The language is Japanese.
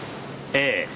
ええ。